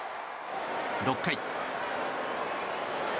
６回。